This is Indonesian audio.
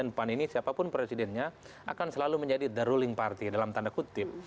pan ini siapapun presidennya akan selalu menjadi the ruling party dalam tanda kutip